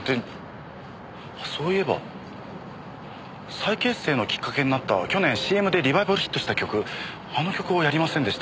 再結成のきっかけになった去年ＣＭでリバイバルヒットした曲あの曲をやりませんでした。